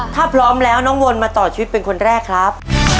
ถ้าพร้อมแล้วน้องวนมาต่อชีวิตเป็นคนแรกครับ